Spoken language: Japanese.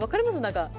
何か。